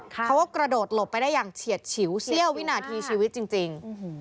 เขาก็กระโดดหลบไปได้อย่างเฉียดฉิวเสี้ยววินาทีชีวิตจริง